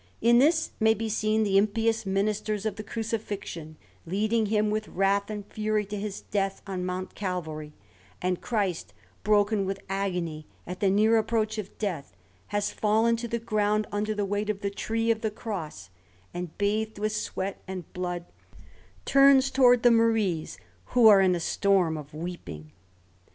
In this may be seen the impious ministers of the Crucifixion, leading Him with wrath and fury to His death on Mount Calvary; and Christ, broken with agony at the near approach of death, has fallen to the ground under the weight of the Tree of the Cross, and, bathed with sweat and blood, turns towards the Maries, who are in a storm of weeping.